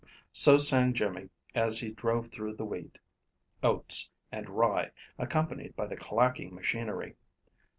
So sang Jimmy as he drove through the wheat, oats and rye accompanied by the clacking machinery.